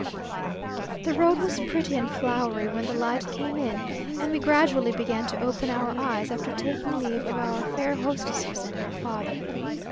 The road was pretty and flowery when the light came in, and we gradually began to open our eyes, after taking leave of our fair hostesses and their father.